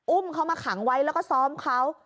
อุ้มเขามาขังไว้แล้วก็ซ้อมเขา